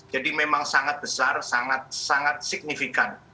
jadi memang sangat besar sangat sangat signifikan